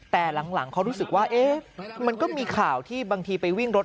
แต่หลังเขารู้สึกว่ามันก็มีข่าวที่บางทีไปวิ่งรถ